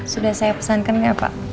sudah saya pesankan nggak pak